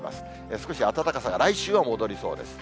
少し暖かさが来週は戻りそうです。